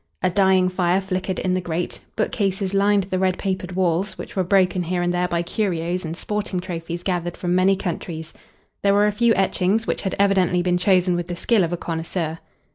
A dying fire flickered in the grate; bookcases lined the red papered walls, which were broken here and there by curios and sporting trophies gathered from many countries. There were a few etchings, which had evidently been chosen with the skill of a connoisseur.